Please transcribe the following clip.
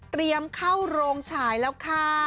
เตรียมเข้าโรงฉายแล้วค่ะ